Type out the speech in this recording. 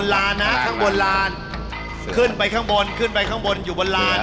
ร้านนะขึ้นไปข้างบนขึ้นไปข้างบนอยู่บนร้าน